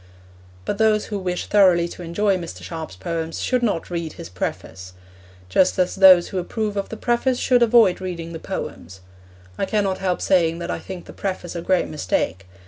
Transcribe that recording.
But those who wish thoroughly to enjoy Mr. Sharp's poems should not read his preface; just as those who approve of the preface should avoid reading the poems. I cannot help saying that I think the preface a great mistake.